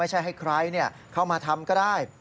ให้ใครเข้ามาทำก็ได้